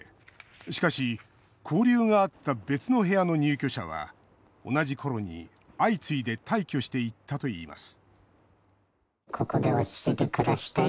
しかし、交流があった別の部屋の入居者は同じ頃に相次いで退去していったといいます